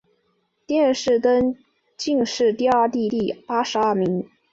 殿试登进士第二甲第八十二名。